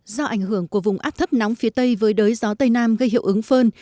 do ảnh hưởng của vùng áp thấp nóng phía tây với đới gió tây nam gây hiệu ứng phơn